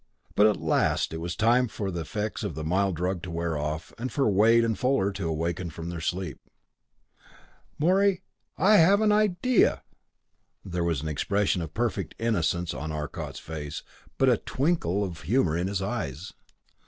But at last it was time for the effects of the mild drug to wear off, and for Wade and Fuller to awaken from their sleep. "Morey I've an idea!" There was an expression of perfect innocence on Arcot's face but a twinkle of humor in his eyes.